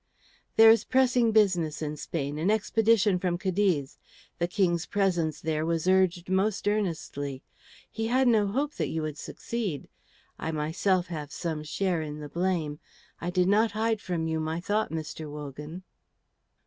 "There is pressing business in Spain, an expedition from Cadiz. The King's presence there was urged most earnestly. He had no hope you would succeed. I myself have some share in the blame. I did not hide from you my thought, Mr. Wogan."